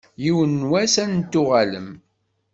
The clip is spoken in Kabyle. Yiwen n wass ad n-tuɣalem.